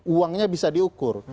uangnya bisa diukur